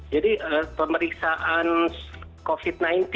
jadi pemeriksaan covid sembilan belas